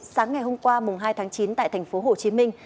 sáng ngày hôm qua hai tháng chín tại thành phố hồ chí minh